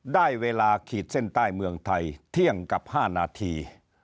ได้เวลาขีดเส้นใต้เมืองไทยเที่ยงกับ๕นาที